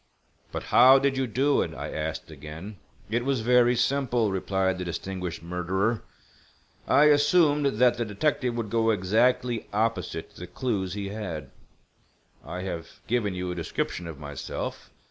"But how did you do it?" I asked again. "It was very simple," replied the distinguished murderer. "I assumed that the detective would go exactly opposite to the clues he had. I have given you a description of myself.